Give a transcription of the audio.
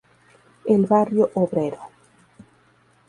El barrio Obrero.